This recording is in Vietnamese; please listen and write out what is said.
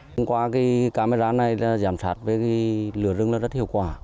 hôm qua camera này giám sát lửa rừng rất hiệu quả